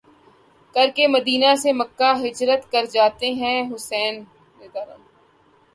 کرکے مدینہ سے مکہ ہجرت کر جاتے ہیں حسین رض